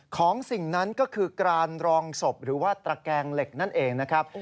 สิ่งนั้นก็คือกรานรองศพหรือว่าตระแกงเหล็กนั่นเองนะครับ